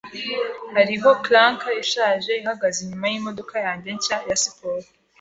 Hariho clunker ishaje ihagaze inyuma yimodoka yanjye nshya ya siporo.